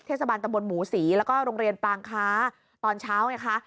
เทศบาลตำบลหมูศรีแล้วก็โรงเรียนปลางค้าตอนเช้าไงคะ